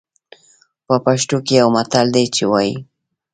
په پښتو کې يو متل دی چې وايي.